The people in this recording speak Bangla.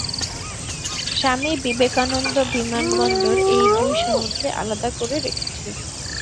স্বামী বিবেকানন্দ বিমানবন্দর এই দুই শহরকে আলাদা করে রেখেছে।